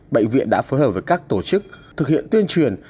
bệnh viện đã phối hợp với các tổ chức thực hiện tuyên truyền